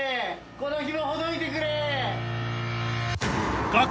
このひもほどいてくれ！